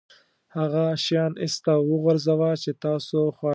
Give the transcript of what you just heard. هغه شیان ایسته وغورځوه چې تاسو خواشینی کوي.